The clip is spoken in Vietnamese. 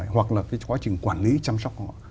hoặc là cái quá trình quản lý chăm sóc họ